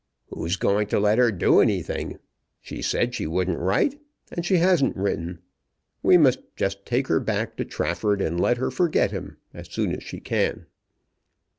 "Who's going to let her do anything? She said she wouldn't write, and she hasn't written. We must just take her back to Trafford, and let her forget him as soon as she can."